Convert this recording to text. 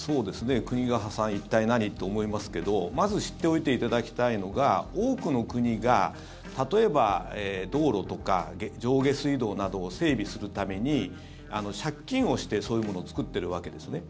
国が破産一体、何？って思いますけどまず知っておいていただきたいのが多くの国が例えば道路とか上下水道などを整備するために借金をしてそういうものを作っているわけですね。